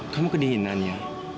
kamu kedinginan ya